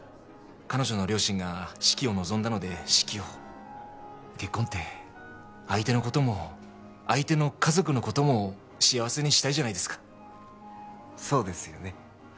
彼女の両親が式を望んだので式を結婚って相手のことも相手の家族のことも幸せにしたいじゃないですかそうですよね